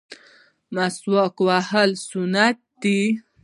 مسواک وهل سنت دي